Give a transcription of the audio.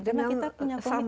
dengan kita punya komitmen